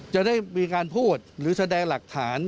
จะได้มีการพูดหรือแสดงหลักฐาน